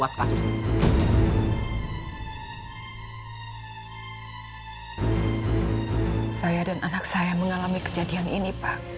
pasti nayla trauma atas kejadian ini